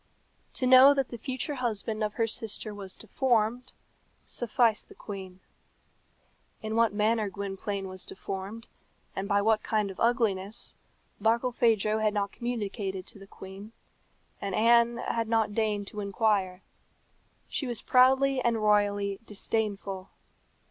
To know that the future husband of her sister was deformed, sufficed the queen. In what manner Gwynplaine was deformed, and by what kind of ugliness, Barkilphedro had not communicated to the queen, and Anne had not deigned to inquire. She was proudly and royally disdainful.